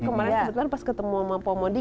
kemaren kebetulan pas ketemu sama poh modi